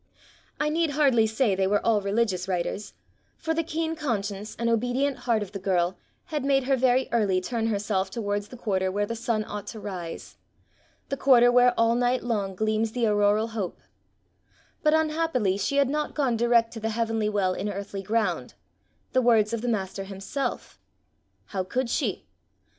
I need hardly say they were all religious writers; for the keen conscience and obedient heart of the girl had made her very early turn herself towards the quarter where the sun ought to rise, the quarter where all night long gleams the auroral hope; but unhappily she had not gone direct to the heavenly well in earthly ground the words of the Master himself. How could she?